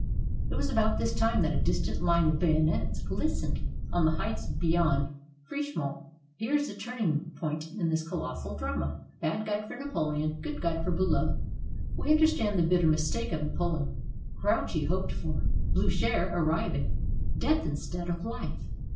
It was about this time that a distant line of bayonets glistened on the heights beyond Frischemont. Here is the turning point in this colossal drama. BAD GUIDE FOR NAPOLEON: GOOD GUIDE FOR BULOW We understand the bitter mistake of Napoleon; Grouchy hoped for, Bliicher arriving; death instead of life.